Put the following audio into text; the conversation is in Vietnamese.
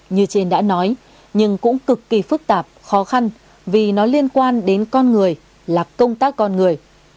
như trên đã nói nhưng cũng cực kỳ phức tạp khó khăn vì nó liên quan đến con người là công tác con người